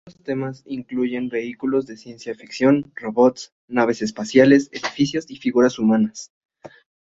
Otros temas incluyen vehículos de ciencia ficción, robots, naves espaciales, edificios y figuras humanas.